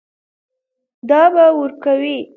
دا به ورکوې.